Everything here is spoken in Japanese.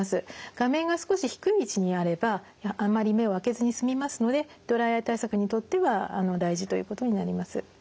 画面が少し低い位置にあればあまり目を開けずに済みますのでドライアイ対策にとっては大事ということになります。